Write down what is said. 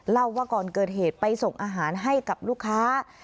เล่าว่าก่อนเกิดเหตุไปส่งอาหารให้กับลูกค้า